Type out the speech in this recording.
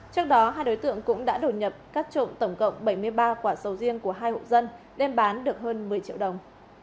trước đó hai đối tượng cũng đã đột nhập cắt trộm tổng cộng bảy mươi ba quả sầu riêng của hai hộ dân đem bán được hơn một mươi triệu đồng